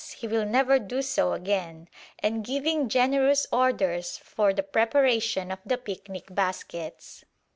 he will never do so again) and giving generous orders for the preparation of the picnic baskets.